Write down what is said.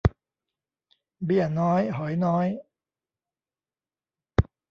เบี้ยน้อยหอยน้อย